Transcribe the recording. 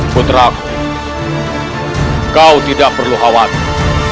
putraku kau tidak perlu khawatir